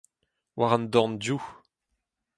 war an dorn dehoù